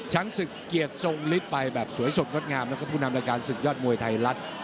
ชั้นสึกเกลียดส่งฤทธิ์ไปแบบสวยสดก็ดงามและก็ผู้นำรายการสุดยอดมวยไทยรัฐ